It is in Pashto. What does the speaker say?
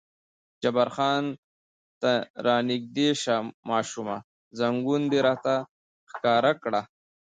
جبار خان: ته را نږدې شه ماشومه، زنګون دې راته ښکاره کړه.